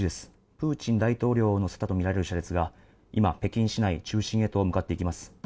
プーチン大統領を乗せたとみられる車列が今、北京市内中心へと向かっていきます。